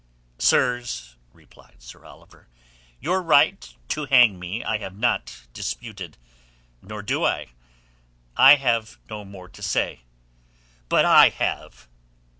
"Sirs," replied Sir Oliver, "your right to hang me I have not disputed, nor do I. I have no more to say." "But I have."